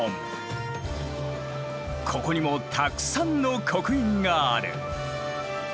ここにもたくさんの刻印がある。